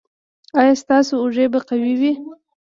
ایا ستاسو اوږې به قوي وي؟